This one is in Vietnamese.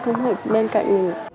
không hút bên cạnh mình